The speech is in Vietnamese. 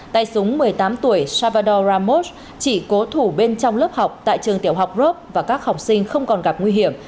tay súng một mươi tám tuổi savador ramos chỉ cố thủ bên trong lớp học tại trường tiểu học rob và các học sinh không còn gặp nguy hiểm